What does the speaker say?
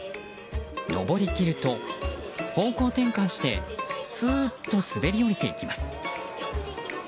上りきると、方向転換してスーッと滑り降りていきます。